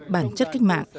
bản chất cách mạng